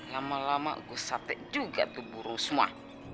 lama lama gue sate juga tuh buru semua